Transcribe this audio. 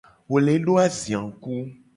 Wo le do azia ngku.